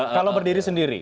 kalau berdiri sendiri